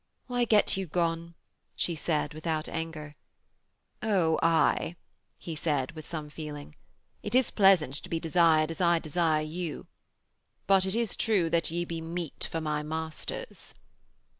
'Why, get you gone,' she said, without anger. 'Oh, aye,' he said, with some feeling. 'It is pleasant to be desired as I desire you. But it is true that ye be meat for my masters.'